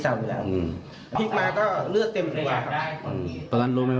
หวานมือด้วยครับ